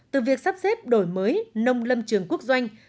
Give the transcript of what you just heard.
từ việc sắp xếp đổi mới nông lâm trường quốc doanh